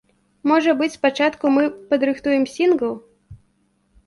Можа быць, спачатку мы падрыхтуем сінгл.